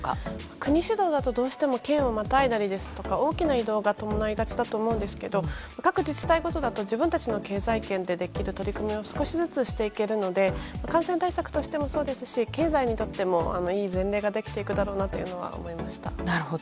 国主導ですとどうしても県をまたいだり大きな移動が伴いがちだと思いますが各自治体だと自分たちの経済圏でできる取り組みを少しずつしていけるので感染対策としてもそうですし経済にとってもいい前例ができてくるだろうなと思いました。